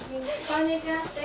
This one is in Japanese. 「こんにちは」して。